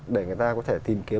để người ta có thể tìm kiếm